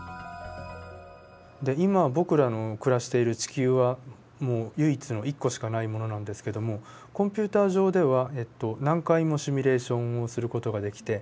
今僕らの暮らしている地球はもう唯一の一個しかないものなんですけどもコンピューター上では何回もシミュレーションをする事ができて。